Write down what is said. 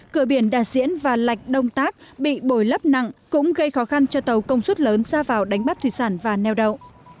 cửa biển đà diễn và lạch đông tác bị bồi lấp nặng cũng gây khó khăn cho tàu công suất lớn ra vào đánh bắt thủy sản và neo đậu